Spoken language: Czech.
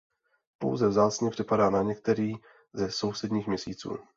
Pouze vzácně připadá na některý ze sousedních měsíců.